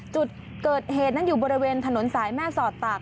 จุดเกิดเหตุนั้นอยู่บริเวณถนนสายแม่สอดตาก